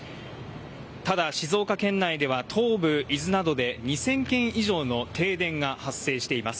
ただ、静岡県内では東部伊豆などで２０００軒以上の停電が発生しています。